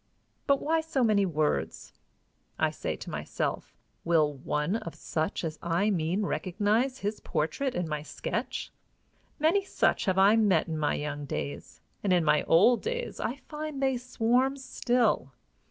But why so many words? I say to myself, Will one of such as I mean recognize his portrait in my sketch? Many such have I met in my young days, and in my old days I find they swarm still.